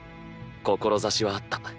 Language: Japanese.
志はあった。